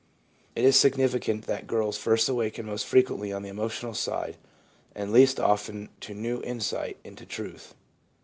It is significant that girls first awaken most frequently on the emotional side and least often to new insight into truth.